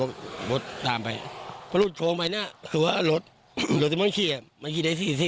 โรงตราผารไปแล้วเราไปไม่ทันนะคะ